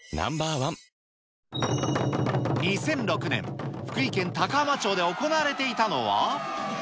１２００６年、福井県高浜町で行われていたのは。